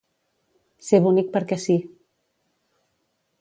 Ser bonic perquè sí.